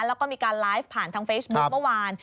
แล้วก็มีการไลฟ์ผ่านทางเฟซบุ๊คเมื่อวาน